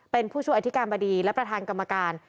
เป็นผู้ช่วยอธิการบดีและประธานกรรมการ